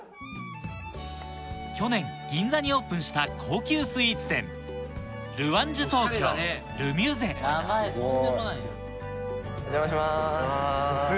去年銀座にオープンした高級スイーツ店お邪魔します。